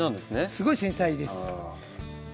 すごい繊細です。